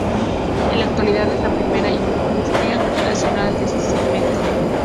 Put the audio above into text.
En la actualidad es la primera industria nacional en este segmento.